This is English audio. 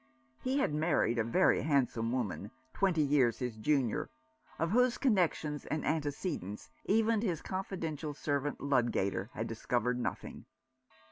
He had married a very handsome woman, twenty years his junior, of whose connections and antecedents even his confidential servant Ludgater had discovered nothing.